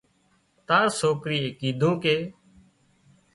تار سوڪري ڪيڌون ڪي